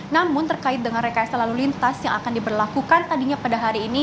namun terkait dengan rekayasa lalu lintas yang akan diberlakukan tadinya pada hari ini